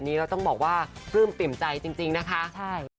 มินก็ก็อยากไปช่วยเหลือเท่าที่เราสามารถช่วยได้ค่ะ